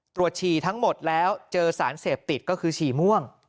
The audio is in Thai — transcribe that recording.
ฉี่ทั้งหมดแล้วเจอสารเสพติดก็คือฉี่ม่วง